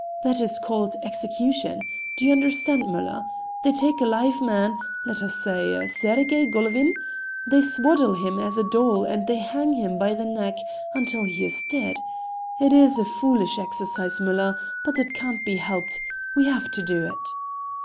That is called execution. Do you understand, Müller? They take a live man, let us say Sergey Golovin, they swaddle him as a doll and they hang him by the neck until he is dead. It is a foolish exercise, Müller, but it can't be helped,—we have to do it."